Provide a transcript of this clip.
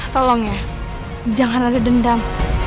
tolong ya jangan ada dendam